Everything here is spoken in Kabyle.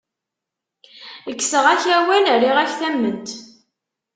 Kkseɣ-ak awal, rriɣ-ak tamment.